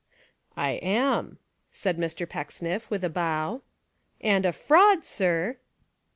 "I am," said Mr. Pecksniff, with a bow. "And a fraud, sir."